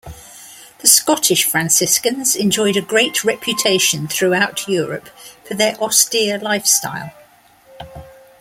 The Scottish Franciscans enjoyed a great reputation throughout Europe for their austere lifestyle.